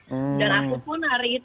dan aku pun hari itu